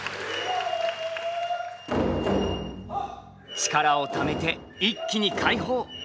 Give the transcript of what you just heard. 力をためて一気に解放。